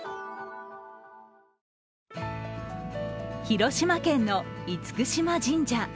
広島県の厳島神社。